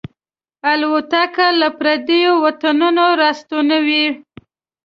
الوتکه له پردیو وطنونو راستنوي.